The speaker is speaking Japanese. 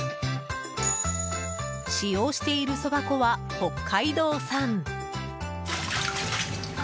使用しているそば粉は、北海道産。